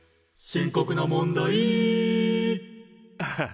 「深刻な問題」ああ